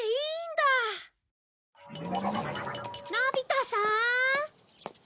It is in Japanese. のび太さん！